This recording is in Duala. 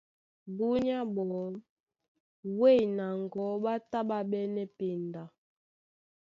Búnyá ɓɔɔ́ wêy na ŋgɔ̌ ɓá tá ɓá ɓɛ́nɛ́ penda.